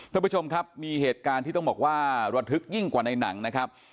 ท่านผู้ชมครับมีเหตุการณ์ที่ต้องบอกว่าระทึกยิ่งกว่าในหนังนะครับ